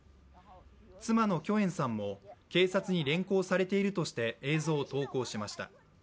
妻の許艶さんも警察に連行されているとして、映像を投稿しました。